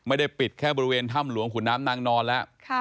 ไม่ได้ปิดแค่บริเวณถ้ำหลวงขุนน้ำนางนอนแล้ว